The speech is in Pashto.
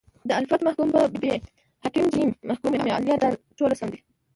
الف: محکوم به ب: حاکم ج: محکوم علیه د: ټوله سم دي